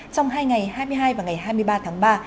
trong hai ngày hai mươi hai và ngày hai mươi ba tháng ba